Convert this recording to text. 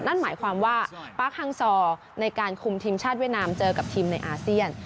นั่นหมายความว่าปาร์คฮังซอร์ในการคุมทีมชาติเวียดนามเจอกับทีมในอาเซียน